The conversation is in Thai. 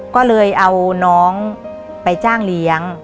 ก็เลยเอาน้องไปจ้างเลี้ยง